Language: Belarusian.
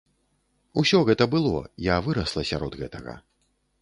Усё гэта было, я вырасла сярод гэтага.